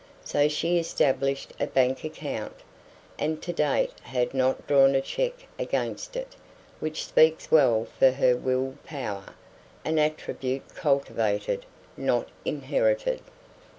So she established a bank account, and to date had not drawn a check against it; which speaks well for her will power, an attribute cultivated, not inherited.